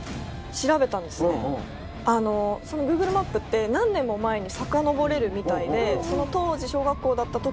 Ｇｏｏｇｌｅマップって何年も前にさかのぼれるみたいで。